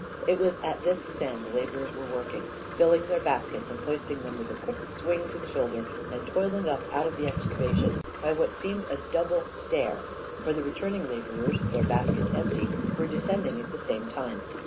It was at this sand the laborers were working, filling their baskets, hoisting them with a quick swing to the shoulder, and toiling up out of the excavation by A KING IN BABYLON 145 what seemed a double stair, for the returning la borers, their baskets empty, were descending at the same time.